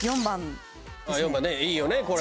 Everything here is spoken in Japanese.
４番ねいいよね